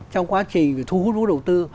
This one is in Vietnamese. trong quá trình thú hút vũ đầu tư